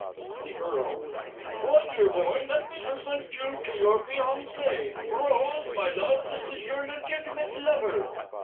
The E. My dear boy, let me present you to your fiancée. Rose, my love, this is your legitimate lover.